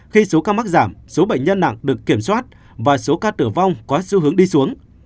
khi số ca mắc giảm số bệnh nhân nặng được kiểm soát và số ca tử vong có xu hướng đi xuống